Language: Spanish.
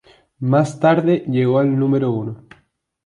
Más tarde llegó al número uno.